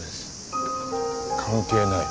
関係ない？